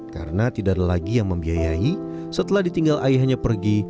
karena tidak ada lagi yang membiayai setelah ditinggal ayahnya pergi